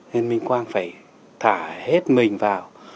nên minh quang phải thả hết mình vào